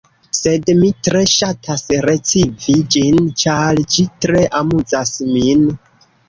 Sed mi tre ŝatas recivi ĝin, ĉar ĝi tre amuzas min.